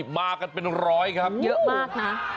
มากแบบเยอะมาก